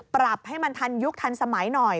ปรับให้มันทันยุคทันสมัยหน่อย